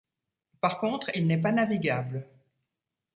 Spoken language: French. Par contre, il n'est pas navigable.